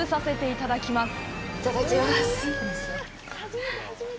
いただきます！